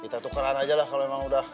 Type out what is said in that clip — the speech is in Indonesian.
kita tukaran aja lah kalau memang udah